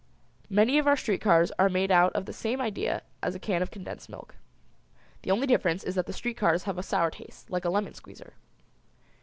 Many of our street cars are made out of the same idea as a can of condensed milk. The only difference is that the street cars have a sour taste like a lemon squeezer.